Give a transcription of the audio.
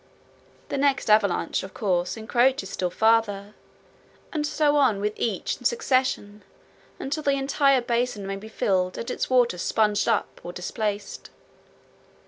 The next avalanche, of course, encroaches still farther, and so on with each in succession until the entire basin may be filled and its water sponged up or displaced.